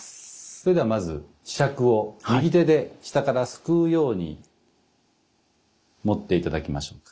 それではまず柄杓を右手で下からすくうように持って頂きましょうか。